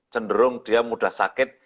cenderung dia mudah sakit